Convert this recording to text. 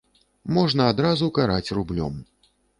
Можна адразу караць рублём.